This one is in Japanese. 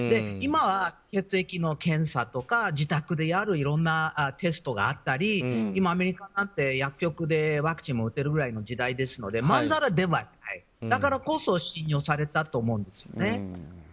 今は血液の検査とか自宅でやるいろんなテストがあったりアメリカだって薬局でワクチン打てるぐらいの時代ですのでまんざらではない、だからこそ信用されたと思うんですね。